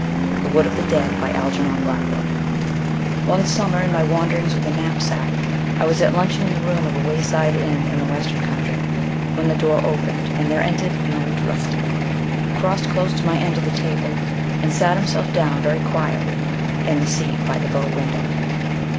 THE WOOD OF THE DEAD One summer, in my wanderings with a knapsack, I was at luncheon in the room of a wayside inn in the western country, when the door opened and there entered an old rustic, who crossed close to my end of the table and sat himself down very quietly in the seat by the bow window.